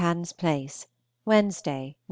23 HANS PLACE, Wednesday (Nov.